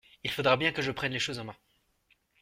Il faudra bien que je prenne les choses en main.